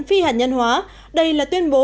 phi hạt nhân hóa đây là tuyên bố